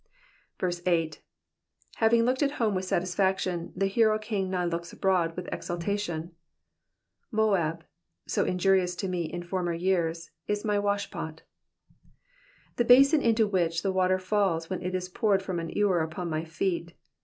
8. Having looked at home with satisfaction, the hero king now looks abroad with exultation. '*Jf(?a5,'' so injurious to me in former years, is my washpot.'*^ The basin into which the water falls when it is poured from an ewer upon my feet.